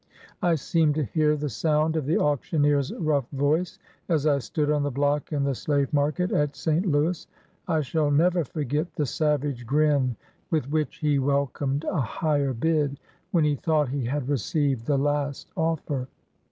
I seem to hear the sound of the auctioneer's rough voice, as I stood on the block in the slave market at St. Louis. I shall never forget the savage grin with which he welcomed a higher bid, when he thought he had received the last offer.